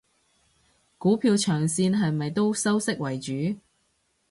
股票長線係咪都收息為主？